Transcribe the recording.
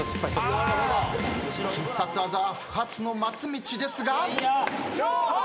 必殺技は不発の松道ですが。